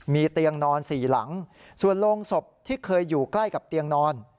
มีเตียงนอนสี่หลังส่วนโรงศพที่เคยอยู่ใกล้กับเตียงนอน